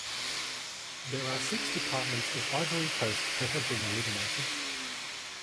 There are six departments of Ivory Coast that have been eliminated.